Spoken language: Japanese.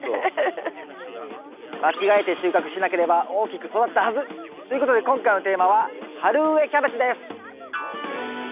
間違えて収穫しなければ大きく育ったはず！ということで今回のテーマは「春植えキャベツ」です。